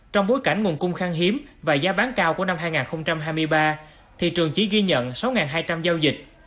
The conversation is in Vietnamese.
trong bối cảnh nguồn cung khang hiếm và giá bán cao của năm hai nghìn hai mươi ba thị trường chỉ ghi nhận sáu hai trăm linh giao dịch